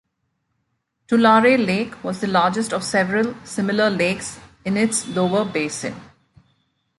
Tulare Lake was the largest of several similar lakes in its lower basin.